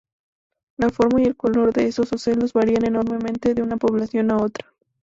La forma y color de esos ocelos varían enormemente de una población a otra.